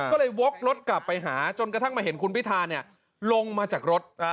ก็เลยวกรถกลับไปหาจนกระทั่งมาเห็นคุณพิธาลงมาจากรถ